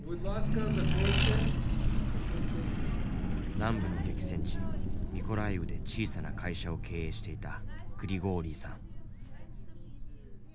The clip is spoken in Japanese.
南部の激戦地ミコライウで小さな会社を経営していたグリゴーリイさん。